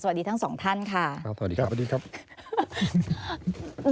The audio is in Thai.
สวัสดีทั้งสองท่านค่ะสวัสดีครับสวัสดีครับสวัสดีครับสวัสดีครับสวัสดีครับ